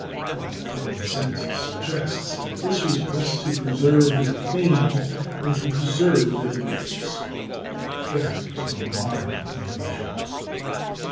But common sense suggests that this was less to preserve their fame than to preserve their bricks. Theft is no modern innovation.